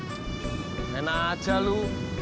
enggak enak aja lu